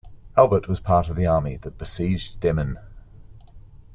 Albert was a part of the army that besieged Demmin.